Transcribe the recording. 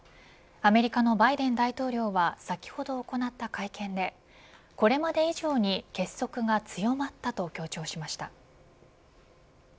アメリカのバイデン大統領は先ほど行った会見でこれまで以上に結束が強まったと強調しました。